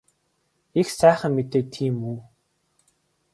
Их сайхан мэдээ тийм үү?